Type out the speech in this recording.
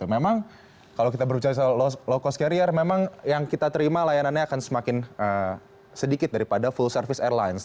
memang kalau kita berbicara soal low cost carrier memang yang kita terima layanannya akan semakin sedikit daripada full service airlines